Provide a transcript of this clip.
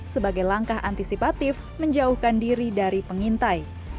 sebagai langkah antisipatif menjauhkan diri dari pengintai